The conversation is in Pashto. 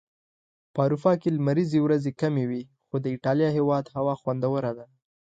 په اروپا کي لمريزي ورځي کمی وي.خو د ايټاليا هيواد هوا خوندوره ده